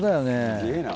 すげぇな。